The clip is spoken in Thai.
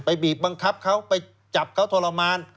บีบบังคับเขาไปจับเขาทรมาน